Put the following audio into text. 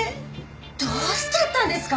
どうしちゃったんですか？